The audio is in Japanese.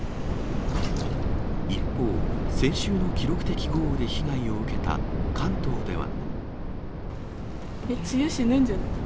一方、先週の記録的豪雨で被害を受けた関東では。